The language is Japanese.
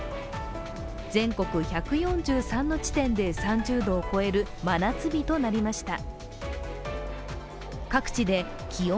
全国１４３の地点で３０度を超える真夏日となりました。